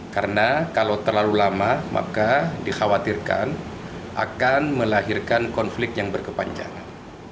karena kalau terlalu lama maka dikhawatirkan akan melahirkan konflik yang berkepanjangan